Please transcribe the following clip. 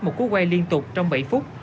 một cú quay liên tục trong bảy phút